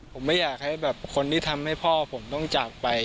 ผมไม่อยากให้แบบคนที่ทำให้พ่อผมต้องจากไป